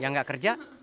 yang gak kerja